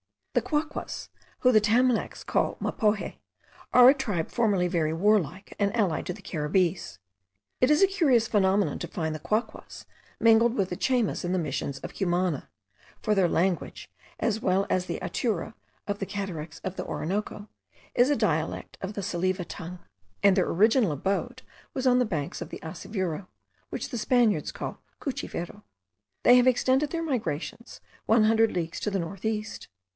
The Quaquas, whom the Tamanacs call Mapoje, are a tribe formerly very warlike and allied to the Caribbees. It is a curious phenomenon to find the Quaquas mingled with the Chaymas in the Missions of Cumana, for their language, as well as the Atura, of the cataracts of the Orinoco, is a dialect of the Salive tongue; and their original abode was on the banks of the Assiveru, which the Spaniards call Cuchivero. They have extended their migrations one hundred leagues to the north east.